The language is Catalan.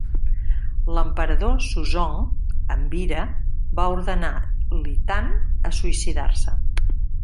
L'emperador Suzong, amb ira, va ordenar Li Tan a suïcidar-se.